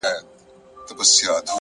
• خړي وریځي پر اسمان باندي خپرې وې,